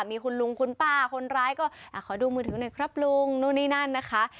มีคุณลุงคุณป้าคนร้ายก็ขอดูมือถือหน่อยครับลุงนู่นนี่นั่นนะคะ